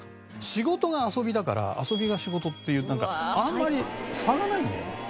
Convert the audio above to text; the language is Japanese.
仕事が遊びだから遊びが仕事っていうあんまり差がないんだよね。